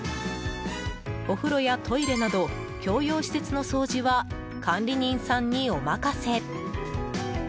お風呂やトイレなど共用施設の掃除は管理人さんにお任せ。